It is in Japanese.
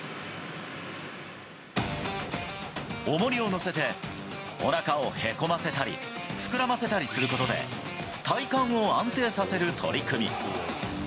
おもりを乗せておなかをへこませたり膨らませたりすることで、体幹を安定させる取り組み。